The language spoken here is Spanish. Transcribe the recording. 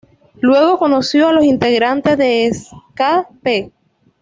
Luego conoció a los integrantes de Ska-p.